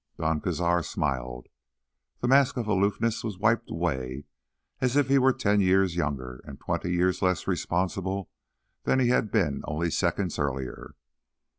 Don Cazar smiled. That mask of aloofness was wiped away as if he were ten years younger and twenty years less responsible than he had been only seconds earlier.